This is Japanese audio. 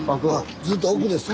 ずっと奥ですか？